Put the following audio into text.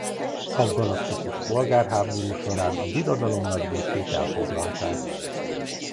A galaktikus polgárháború során a birodalom nagy részét elfoglalták.